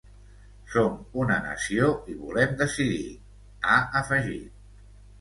Som una nació i volem decidir, ha afegit.